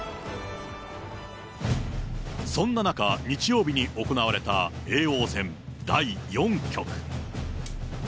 そんな中、日曜日に行われた叡王戦第４局。